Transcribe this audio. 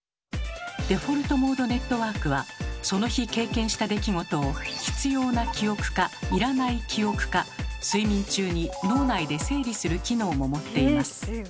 デフォルトモードネットワークはその日経験した出来事を「必要な記憶」か「要らない記憶」か睡眠中に脳内で整理する機能も持っています。